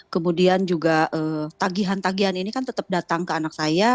kemudian juga tagihan tagihan ini kan tetap datang ke anak saya